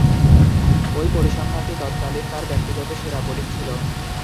ঐ পরিসংখ্যানটি তৎকালীন তার ব্যক্তিগত সেরা বোলিং ছিল।